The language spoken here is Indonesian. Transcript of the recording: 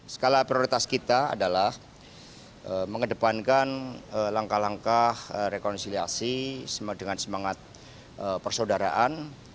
skala prioritas kita adalah mengedepankan langkah langkah rekonsiliasi dengan semangat persaudaraan